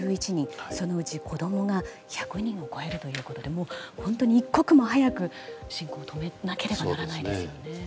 そのうち子供が１００人を超えるということで本当に一刻も早く止めなければならないですね。